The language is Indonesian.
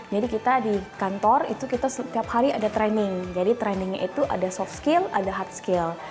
jadi kita di kantor itu kita setiap hari ada training jadi trainingnya itu ada soft skill ada hard skill